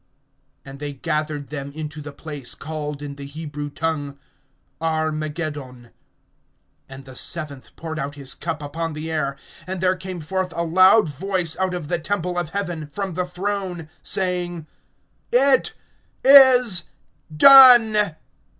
(16)And they gathered them into the place called in the Hebrew tongue, Armageddon. (17)And the seventh poured out his cup upon the air; and there came forth a loud voice out of the temple of heaven, from the throne, saying: It is done.